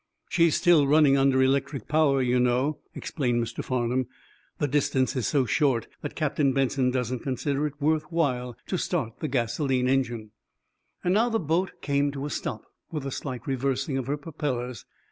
"She's still running under electric power, you know," explained Mr. Farnum. "The distance is so short that Captain Benson doesn't consider it worth while to start the gasoline engine." Now, the boat came to a stop, with a slight reversing of her propellers.